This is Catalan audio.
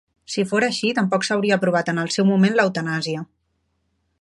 Si fora així, tampoc s'hauria aprovat en el seu moment l'eutanàsia.